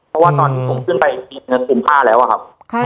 ผมขึ้นไปมีเงิน๐๕แล้วครับ